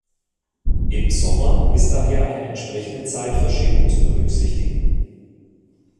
Im Sommer ist daher eine entsprechende Zeitverschiebung zu berücksichtigen.